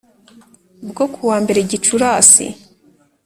bwo ku wa mbere gicurasi